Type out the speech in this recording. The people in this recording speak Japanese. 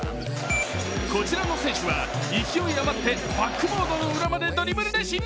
こちらの選手は勢いあまってバックボードの裏までドリブルで侵入。